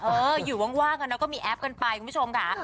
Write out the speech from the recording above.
เอออยู่ว่างกันแล้วก็มีแอปกันไปคุณผู้ชมค่ะ